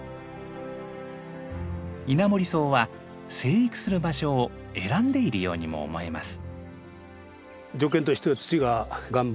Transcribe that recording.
イナモリソウは生育する場所を選んでいるようにも思えます。